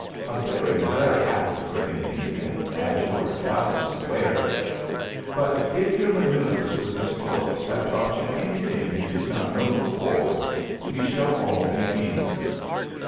A very rare act for an Indian, as you are doubtless aware. But if your manoeuvres with his corpse have taught you anything you did not know before, we shall all be gainers."